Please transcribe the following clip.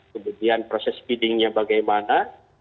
kemudian proses pindahnya bagaimana